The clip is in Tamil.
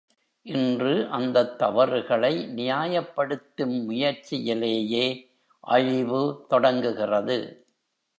இன்று அந்தத் தவறுகளை நியாயப்படுத்தும் முயற்சியிலேயே அழிவு தொடங்குகிறது.